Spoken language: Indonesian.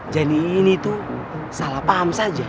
jenny ini tuh salah paham saja